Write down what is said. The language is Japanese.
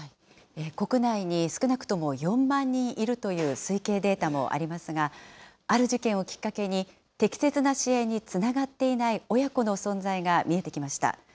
国内に少なくとも４万人いるという推計データもありますが、ある事件をきっかけに、適切な支援につながっていない親子の存在が見えてきました。